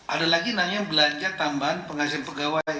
ada lagi namanya belanja tambahan penghasil pegawai